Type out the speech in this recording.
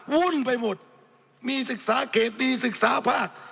วุ่นไปหมดมีศึกษาเขตดีศึกษาภาค